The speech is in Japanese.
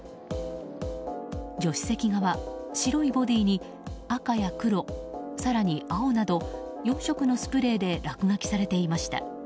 助手席側、白いボディーに赤や黒、更に青など４色のスプレーで落書きされていました。